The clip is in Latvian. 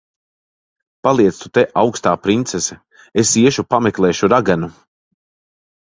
Paliec tu te, augstā princese. Es iešu pameklēšu raganu.